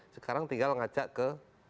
sekarang tinggal ngajak ke